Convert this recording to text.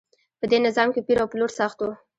په دې نظام کې پیر او پلور سخت و.